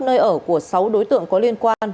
nơi ở của sáu đối tượng có liên quan